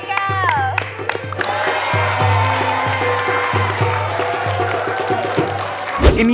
betul sekali iqal